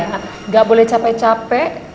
nggak boleh capek capek